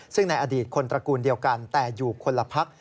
ซึ่งในอดีตคนตระกูลเดียวกันแต่อยู่คนละพัก